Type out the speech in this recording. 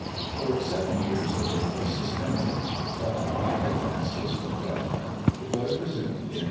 For seven years the work was suspended; but, by advances from Government, it was resumed in 1835.